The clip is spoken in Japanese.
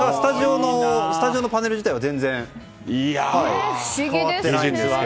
スタジオのパネル自体は全然変わってないという。